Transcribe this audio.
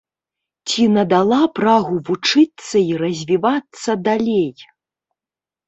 Ці надала прагу вучыцца і развівацца далей?